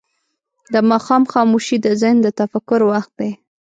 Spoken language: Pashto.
د ماښام خاموشي د ذهن د تفکر وخت دی.